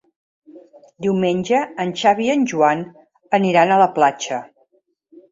Diumenge en Xavi i en Joan iran a la platja.